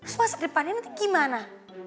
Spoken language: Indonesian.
terus masa depannya nanti gimana